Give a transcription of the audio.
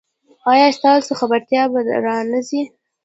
ایا ستاسو خبرتیا به را نه ځي؟